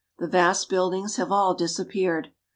The vast buildings have all disappeared.